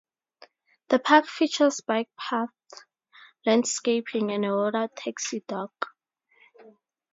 The park features bike paths, landscaping and a Water Taxi dock.